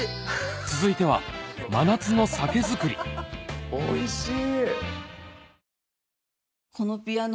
続いては真夏の酒づくりおいしい！